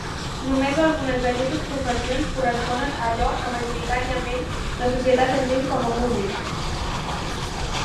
Només algunes d'aquestes professions corresponen a allò que majoritàriament la societat entén com a músic.